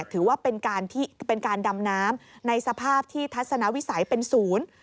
ถือว่าเป็นการดำน้ำในสภาพที่ทัศนวิสัยเป็นศูนย์